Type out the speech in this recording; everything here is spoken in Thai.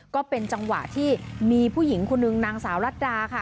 ก็เป็นจังหวะที่มีผู้หญิงคนนึงนางสาวรัดดาค่ะ